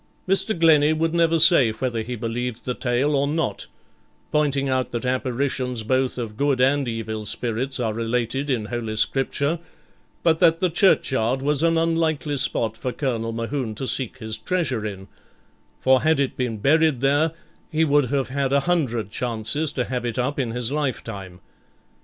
Mr. Glennie would never say whether he believed the tale or not, pointing out that apparitions both of good and evil spirits are related in Holy Scripture, but that the churchyard was an unlikely spot for Colonel Mohune to seek his treasure in; for had it been buried there, he would have had a hundred chances to have it up in his lifetime.